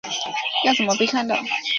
要怎么被看到